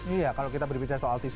iya kalau kita berbicara soal tv